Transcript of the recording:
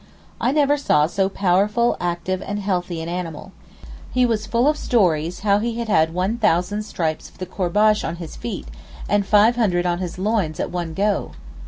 I never saw so powerful, active and healthy an animal. He was full of stories how he had had 1,000 stripes of the courbash on his feet and 500 on his loins at one go.